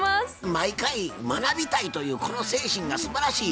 毎回学びたいというこの精神がすばらしい。